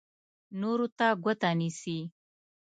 نورو ته ګوته نیسي.